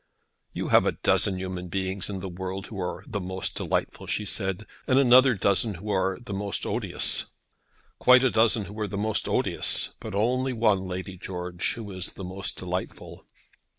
"You have a dozen human beings in the world who are the most delightful," she said, "and another dozen who are the most odious." "Quite a dozen who are the most odious, but only one, Lady George, who is the most delightful."